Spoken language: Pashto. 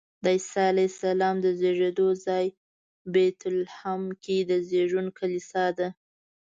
د عیسی علیه السلام د زېږېدو ځای بیت لحم کې د زېږون کلیسا ده.